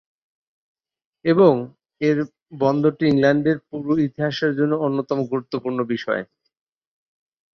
এবং এর বন্দরটি ইংল্যান্ডের পুরো ইতিহাসের জন্য অন্যতম গুরুত্বপূর্ণ বিষয়।